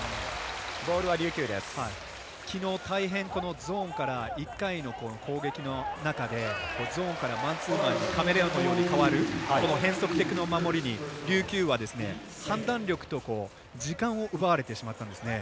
きのう大変このゾーンから１回の攻撃の中でゾーンからマンツーマンにカメレオンのように変わるこの変則的な守りに琉球は判断力と時間を奪われてしまったんですね。